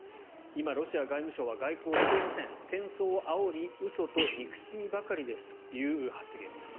今、ロシア外務省は外交をしていません戦争をあおり嘘と憎しみばかりですという発言です。